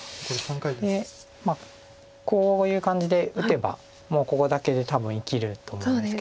でこういう感じで打てばもうここだけで多分生きると思うんですけど。